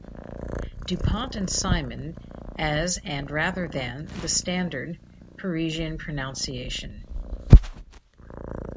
Dupont and Simon as and rather than the standard Parisian pronunciation.